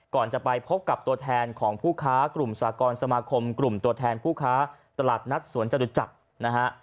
ก่อนจะไปพบกับตัวแทนของผู้ค้ากลุ่มสากรสมาคมกลุ่มตัวแทนผู้ค้าตลาดนัดสวนจตุจักรนะฮะ